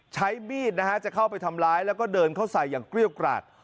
ใช้มีดนะฮะจะเข้าไปทำร้ายแล้วก็เดินเข้าใส่อย่างเกรี้ยวกราด